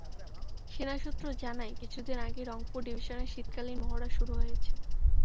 সেনা সূত্র জানায়, কিছুদিন আগেই রংপুর ডিভিশনে শীতকালীন মহড়া শুরু হয়েছে।